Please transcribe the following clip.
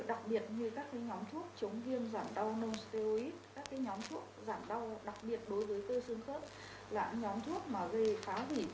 đặc biệt như các cái nhóm thuốc chống viêm giảm đau non steroid các cái nhóm thuốc giảm đau đặc biệt đối với cơ sương khớp là những nhóm thuốc mà gây phá vỉ